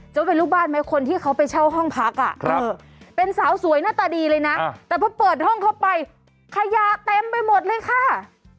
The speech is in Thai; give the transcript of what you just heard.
เป็นลูกบ้านไหมคนที่เขาไปเช่าห้องพักเป็นสาวสวยหน้าตาดีเลยนะแต่พอเปิดห้องเข้าไปขยะเต็มไปหมดเลยค่ะ